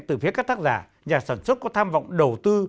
từ phía các tác giả nhà sản xuất có tham vọng đầu tư